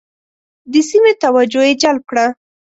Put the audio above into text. د سیمې توجه یې جلب کړه.